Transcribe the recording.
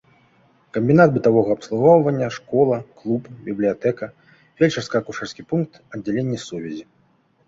Камбінат бытавога абслугоўвання, школа, клуб, бібліятэка, фельчарска-акушэрскі пункт, аддзяленне сувязі.